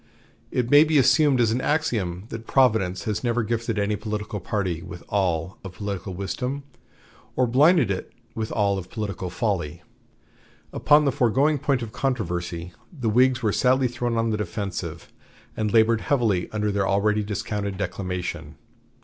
It may be assumed as an axiom that Providence has never gifted any political party with all of political wisdom or blinded it with all of political folly. Upon the foregoing point of controversy the Whigs were sadly thrown on the defensive, and labored heavily under their already discounted declamation.